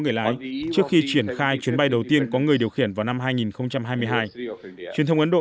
người lái trước khi triển khai chuyến bay đầu tiên có người điều khiển vào năm hai nghìn hai mươi hai truyền thông ấn độ